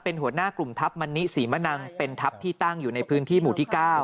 เป็นหัวหน้ากลุ่มทัพมณิศรีมะนังเป็นทัพที่ตั้งอยู่ในพื้นที่หมู่ที่๙